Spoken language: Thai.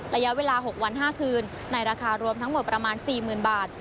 ระยะเวลา๖วัน๕คืนในราคารวมทั้งหมดประมาณ๔๐๐๐บาท